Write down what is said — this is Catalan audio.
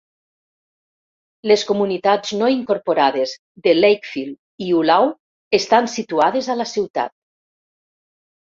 Les comunitats no incorporades de Lakefield i Ulao estan situades a la ciutat.